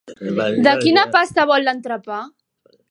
De quina pasta vol l'entrepà?